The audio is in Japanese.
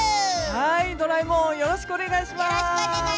ドラえもんよろしくお願いします。